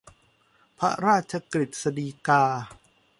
พระราชกฤษฎีกา